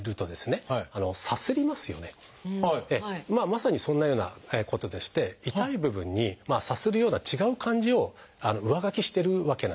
まさにそんなようなことでして痛い部分にさするような違う感じを上書きしてるわけなんですね